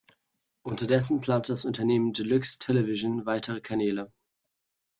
Unterdessen plante das Unternehmen "Deluxe Television" weitere Kanäle.